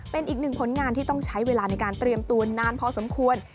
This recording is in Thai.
เป็นอีกหนึ่งผลงานที่ต้องใช้เวลาในการเตรียมตัวนานพอสมควร